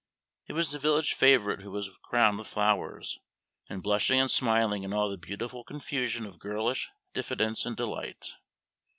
It was the village favorite who was crowned with flowers, and blushing and smiling in all the beautiful confusion of girlish diffidence and delight.